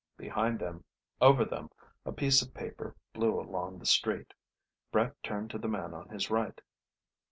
Behind them, over them, a piece of paper blew along the street. Brett turned to the man on his right.